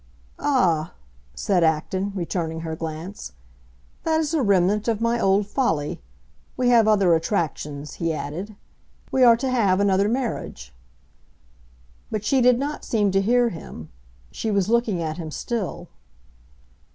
"Ah," said Acton, returning her glance, "that is a remnant of my old folly! We have other attractions," he added. "We are to have another marriage." But she seemed not to hear him; she was looking at him still.